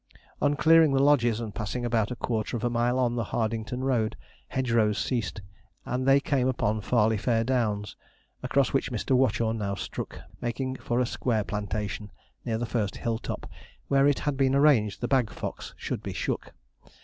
On clearing the lodges, and passing about a quarter of a mile on the Hardington road, hedge rows ceased, and they came upon Farleyfair Downs, across which Mr. Watchorn now struck, making for a square plantation, near the first hill top, where it had been arranged the bag fox should be shook.